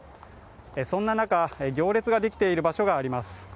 そんな中、行列ができている場所があります。